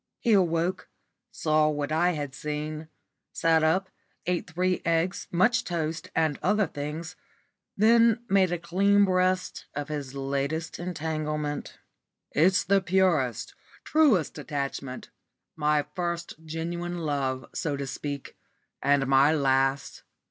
He awoke, saw what I had seen, sat up, ate three eggs, much toast, and other things, then made a clean breast of his latest entanglement. "It's the purest, truest attachment my first genuine love, so to speak, and my last.